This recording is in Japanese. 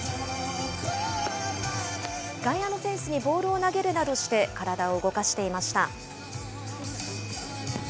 外野のフェンスにボールを投げるなどして体を動かしていました。